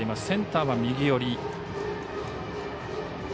センターは右寄り。